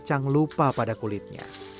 kacang lupa pada kulitnya